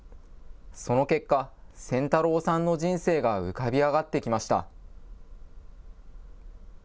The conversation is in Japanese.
その結果、仙太郎さんの人生が浮かび上がってきました。